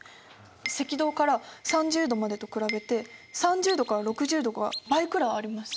赤道から３０度までと比べて３０度から６０度が倍くらいあります。